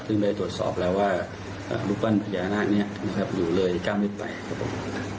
ซึ่งได้ตรวจสอบแล้วว่าลูกปั้นพญานาคเนี่ยความอยู่ละอย่างไกล๙เมตรไหนครับผม